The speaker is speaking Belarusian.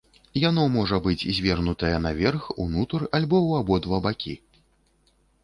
Яно можа быць звернутае наверх, унутр альбо ў абодва бакі.